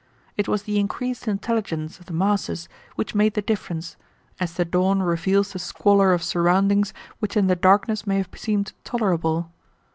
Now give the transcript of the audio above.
It was the increased intelligence of the masses which made the difference, as the dawn reveals the squalor of surroundings which in the darkness may have seemed tolerable.